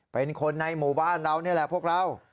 เป็นคนในหมู่บ้านเรานี่แหละพวกเรา